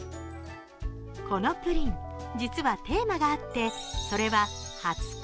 このプリン、実はテーマがあってそれは「初恋」。